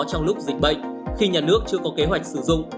trong lúc dịch bệnh khi nhà nước chưa có kế hoạch sử dụng